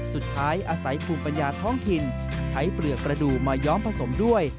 สุดท้ายอาศัยภูมิปัญญาท้องถิ่นใช้เปลือกระดูกมาย้อมผสมด้วย